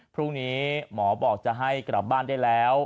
พรุ่งนี้หมอบอกจะให้กลับบ้านได้แล้ว